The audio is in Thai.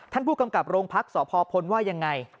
ท่านผู้กำกับโรงพักษพลว่ายังไง